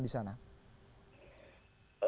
bagaimana menurut anda